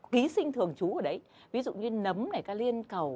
vi sinh thường trú ở đấy ví dụ như nấm ca liên cầu